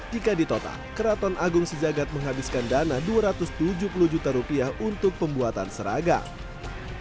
jika ditotak keraton agung sejagat menghabiskan dana rp dua ratus tujuh puluh untuk pembuatan seragam